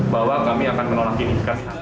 bahwa kami akan menolak ini